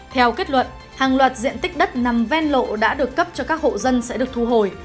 theo kết luận hàng loạt diện tích đất nằm ven lộ đã được cấp cho các hộ dân sẽ được thu hồi